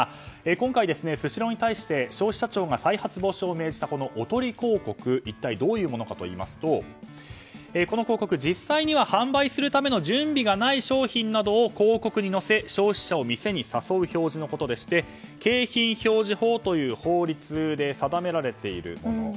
今回、スシローに対して消費者庁が再発防止を命じたおとり広告どういうものかといいますと実際に販売するための準備がない商品などを広告に載せ消費者を店に誘う表示のことでして景品表示法という法律で定められているもの。